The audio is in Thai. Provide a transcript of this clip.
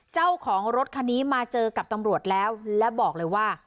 เจ้าของรถคันนี้มาเจอกับตำรวจแล้วและบอกเลยว่า